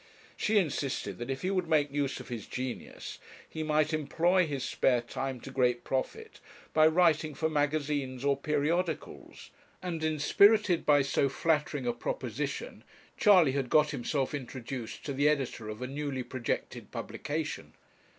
She insisted that if he would make use of his genius he might employ his spare time to great profit by writing for magazines or periodicals; and, inspirited by so flattering a proposition, Charley had got himself introduced to the editor of a newly projected publication.